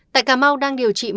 tại cà mau đang điều trị